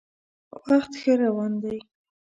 وخت ښه روان دی.